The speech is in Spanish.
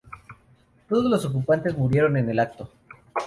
Todos los ocupantes murieron en el acto.